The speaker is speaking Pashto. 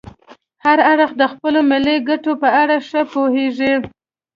هر اړخ د خپلو ملي ګټو په اړه ښه پوهیږي